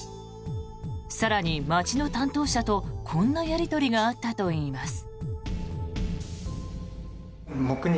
更に、町の担当者とこんなやり取りがあったといいます。